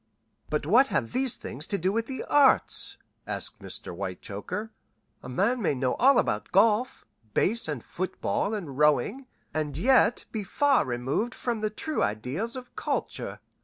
"But what have these things to do with the arts?" asked Mr. Whitechoker. "A man may know all about golf, base and foot ball and rowing, and yet be far removed from the true ideals of culture.